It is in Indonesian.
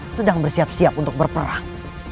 sedang bersiap siap untuk berperang